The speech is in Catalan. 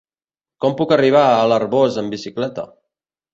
Com puc arribar a l'Arboç amb bicicleta?